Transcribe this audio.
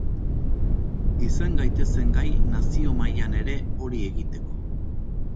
Izan gaitezen gai nazio mailan ere hori egiteko.